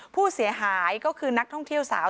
ผู้เสียหายก็คือนักท่องเที่ยวสาว